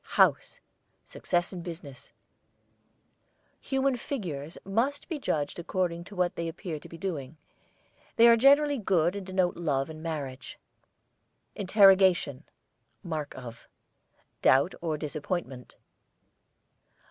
HOUSE, success in business. HUMAN FIGURES must be judged according to what they appear to be doing. They are generally good and denote love and marriage. INTERROGATION (mark of), doubt or disappointment.